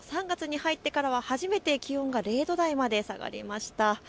３月に入ってからは初めて気温が０度台まで下がりました。